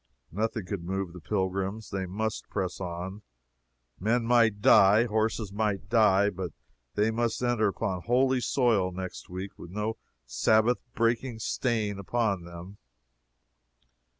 Nothing could move the pilgrims. They must press on. Men might die, horses might die, but they must enter upon holy soil next week, with no Sabbath breaking stain upon them.